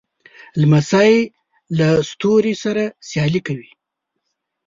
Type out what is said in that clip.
لمسی له ستوري سره سیالي کوي.